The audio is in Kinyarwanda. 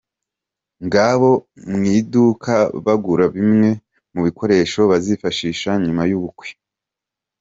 Ngabo mu iduka bagura bimwe mu bikoresho bazifashisha nyuma y'ubukwe.